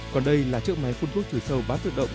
còn đây là chương máy phun phúc trừ sâu bát tự động